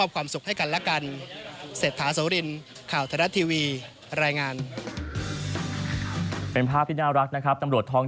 ความสุขให้กันและกัน